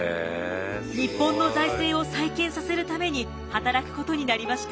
日本の財政を再建させるために働くことになりました。